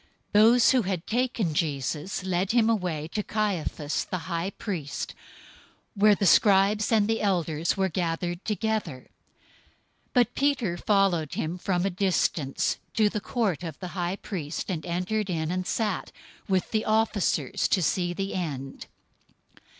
026:057 Those who had taken Jesus led him away to Caiaphas the high priest, where the scribes and the elders were gathered together. 026:058 But Peter followed him from a distance, to the court of the high priest, and entered in and sat with the officers, to see the end.